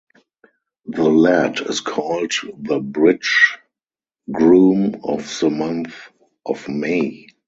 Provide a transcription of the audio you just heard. The lad is called the bridegroom of the month of May.